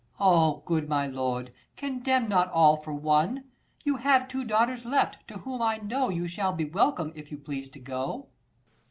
90 Ah, good my lord, condemn not all for one :[ You have two daughters left, to whom I know You shall be welcome, if you please to go.